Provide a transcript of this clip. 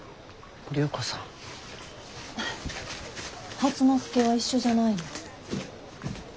初之助は一緒じゃないの？